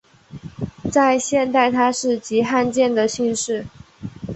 在现代它是极罕见的姓氏。